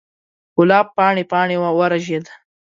ګلاب پاڼې، پاڼې ورژید